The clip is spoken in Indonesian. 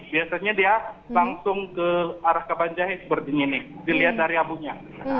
biasanya dia langsung ke arah kabanjahit seperti ini dilihat dari abunya